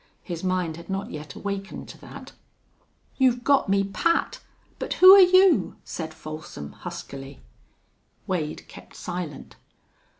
His mind had not yet awakened to that. "You've got me pat! But who're you?" said Folsom, huskily. Wade kept silent.